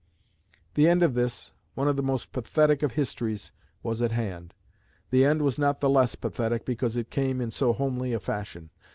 The end of this, one of the most pathetic of histories, was at hand; the end was not the less pathetic because it came in so homely a fashion.